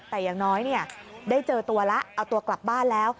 แต่อย่างน้อยได้เจอตัวแล้วเอาตัวกลับบ้านแล้ว